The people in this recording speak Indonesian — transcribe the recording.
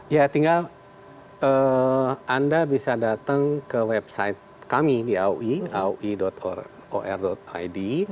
ya tinggal anda bisa datang ke website kami di aui or id